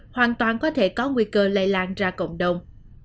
hoàn toàn có thể có nguy cơ lây lan ra cộng đồng